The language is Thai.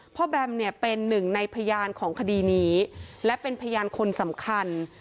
แบมเนี่ยเป็นหนึ่งในพยานของคดีนี้และเป็นพยานคนสำคัญ